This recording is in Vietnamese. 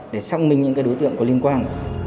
để xác minh những đối tượng có liên quan